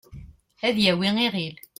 ad yawi iɣil